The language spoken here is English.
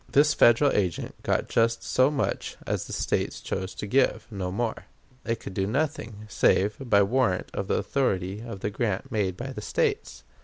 This Federal agent got just so much as the States chose to give no more. It could do nothing save by warrant of the authority of the grant made by the States.